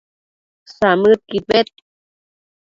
samëdquid bed